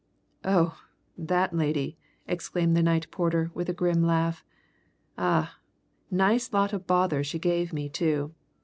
"Oh! that lady," exclaimed the night porter, with a grim laugh. "Ah! nice lot of bother she gave me, too.